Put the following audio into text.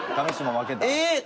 えっ！？